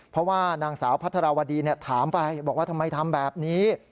เพราะว่านางสาวพัทรวดีถามไปบอกว่าทำไมทำแบบนี้